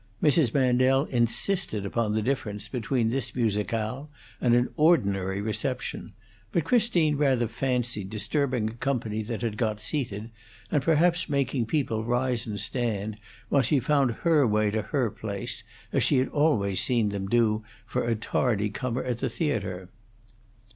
Mrs. Mandel insisted upon the difference between this musicale and an ordinary reception; but Christine rather fancied disturbing a company that had got seated, and perhaps making people rise and stand, while she found her way to her place, as she had seen them do for a tardy comer at the theatre.